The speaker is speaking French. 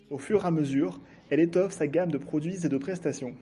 Au fur à mesure, elle étoffe sa gamme de produits et de prestations.